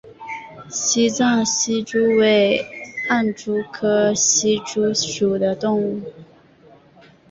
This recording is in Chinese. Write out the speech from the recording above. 西藏隙蛛为暗蛛科隙蛛属的动物。